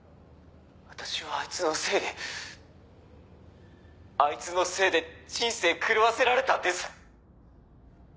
「私はあいつのせいであいつのせいで人生狂わせられたんです！」